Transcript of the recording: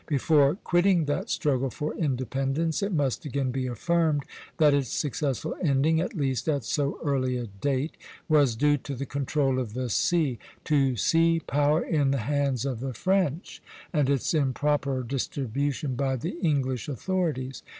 Before quitting that struggle for independence, it must again be affirmed that its successful ending, at least at so early a date, was due to the control of the sea, to sea power in the hands of the French, and its improper distribution by the English authorities.